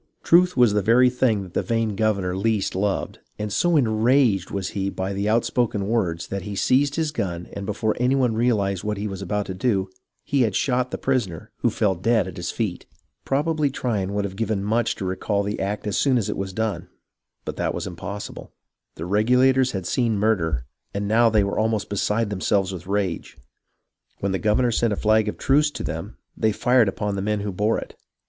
Truth was the very thing that the vain governor least loved, and so enraged was he by the outspoken words, that he seized his gun and before any one realized what he was about to do, he had shot the prisoner, who fell dead at his feet. Probably Tryon would have given much to recall the act as soon as it was done, but that was impossible. The 32 HISTORY OF THE AMERICAN REVOLUTION Regulators had seen the murder, and now they were ahiiost beside themselves with rage. When the governor sent a flag of truce to them, they fired upon the men who bore it.